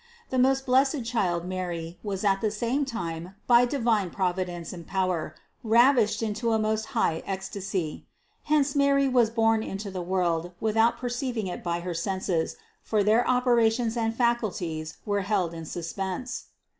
The most blessed child Mary was at the same time by divine provi dence and power ravished into a most high ecstasy. Hence Mary was born into the world without perceiving it by her senses, for their operations and faculties were held in suspense.